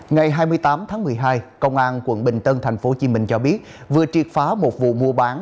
ngày hai mươi tám tháng một mươi hai công an quận bình tân tp hcm cho biết vừa triệt phá một vụ mua bán